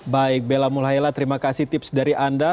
baik bella mulahela terima kasih tips dari anda